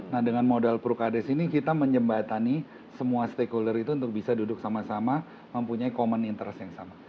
nah dengan modal prukades ini kita menyembatani semua stakeholder itu untuk bisa duduk sama sama mempunyai common interest yang sama